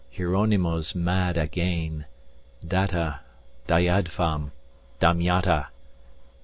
Hieronymo's mad againe. Datta. Dayadhvam. Damyata.